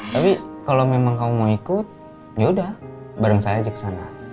tapi kalau memang kamu mau ikut yaudah bareng saya ajak sana